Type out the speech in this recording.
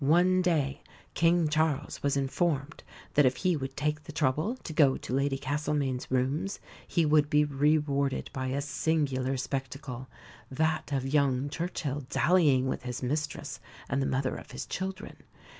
One day King Charles was informed that if he would take the trouble to go to Lady Castlemaine's rooms he would be rewarded by a singular spectacle that of young Churchill dallying with his mistress and the mother of his children.